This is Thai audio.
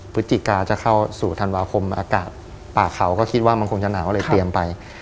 พฤศจิกาจะเข้าสู่ธันวาคมอากาศป่าเขาก็คิดว่ามันคงจะหนาวเลยเตรียมไป